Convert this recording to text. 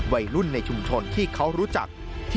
วัยรุ่นในชุมชนที่เขารู้จัก